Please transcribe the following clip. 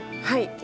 はい。